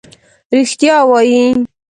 رښتیا وایې.